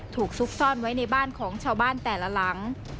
ซุกซ่อนไว้ในบ้านของชาวบ้านแต่ละหลัง